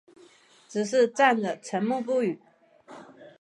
只是站着沉默不语